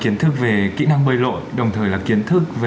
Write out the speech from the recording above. kiến thức về kỹ năng bơi lội đồng thời là kiến thức